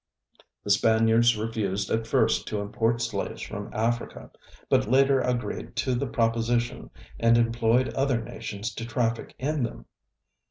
The Spaniards refused at first to import slaves from Africa, but later agreed to the proposition and employed other nations to traffic in them.